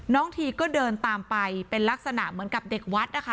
ทีก็เดินตามไปเป็นลักษณะเหมือนกับเด็กวัดนะคะ